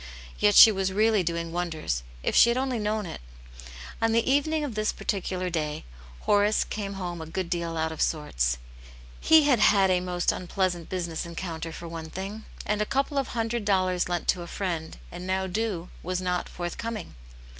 Yet she was really doing wonders, if she had only known it. On the evening of this particular day Horace came home a good deal out of sorts. He had had a most unpleasant business encounter for one thing, and a couple of hundred dollars lent to a friend, and now due, was not forthcoming.